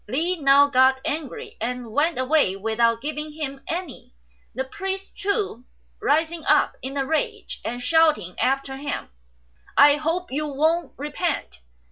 Li now got angry, and went away without giving him any, the priest, too, rising up in a rage and shouting after him, "I hope you won't repent."